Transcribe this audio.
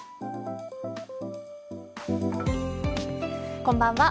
こんばんは。